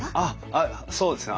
あっそうですね